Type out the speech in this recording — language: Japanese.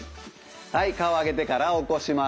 はい顔を上げてから起こします。